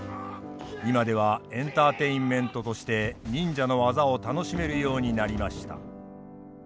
今ではエンターテインメントとして忍者の技を楽しめるようになりました。